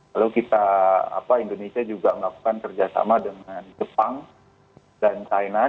lalu indonesia juga melakukan kerjasama dengan jepang dan thailand